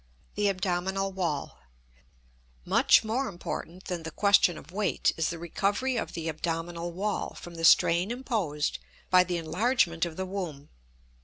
The Abdominal Wall. Much more important than the question of weight is the recovery of the abdominal wall from the strain imposed by the enlargement of the womb.